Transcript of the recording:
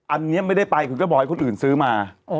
อันนี้ไม่ได้ไปคุณก็บอกให้คนอื่นซื้อมา